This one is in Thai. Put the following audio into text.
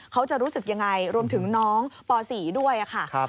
เขาจะรู้สึกยังไงรวมถึงน้องป๔ด้วยค่ะ